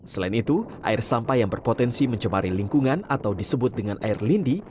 selain itu air sampah yang berpotensi mencemari lingkungan atau disebut dengan air lindi